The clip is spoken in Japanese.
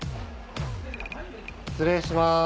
失礼します。